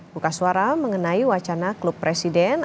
buka suara mengenai wacana klub presiden